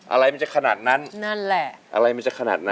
อะไรมันจะขนาดนั้นนั่นแหละอะไรมันจะขนาดนั้น